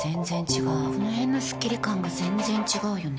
この辺のスッキリ感が全然違うよね。